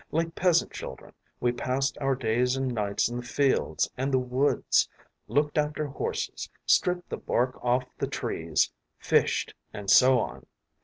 Like peasant children, we passed our days and nights in the fields and the woods, looked after horses, stripped the bark off the trees, fished, and so on....